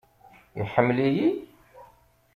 Iḥemmel-iyi?